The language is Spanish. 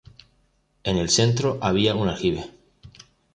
En el centro había un aljibe.